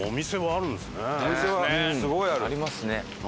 ありますね。